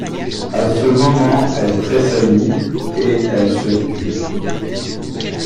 À ce moment, elle tressaillit et elle se tut.